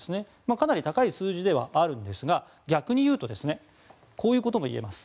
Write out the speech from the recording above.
かなり高い数字ではあるんですが逆に言うとこういうことも言えます。